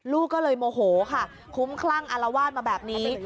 ลูกก็เลยโมโหค่ะคุ้มคลั่งอารวาสมาแบบนี้